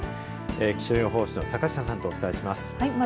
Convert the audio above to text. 気象予報士の坂下さんとお伝えします。